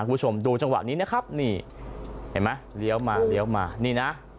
คุณผู้ชมดูจังหวะนี้นะครับนี่เห็นไหมเลี้ยวมาเลี้ยวมานี่นะ